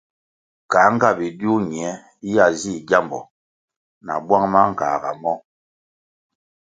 Kā nga bidiu ñie ya zih gyambo na bwang mangāga mo?